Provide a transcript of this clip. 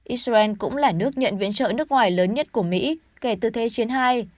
israel cũng là nước nhận viện trợ nước ngoài lớn nhất của mỹ kể từ thế chiến hai